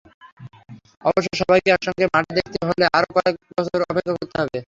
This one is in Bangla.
অবশ্য সবাইকে একসঙ্গে মাঠে দেখতে হলে আরও কয়েক বছর অপেক্ষা করতে হবে।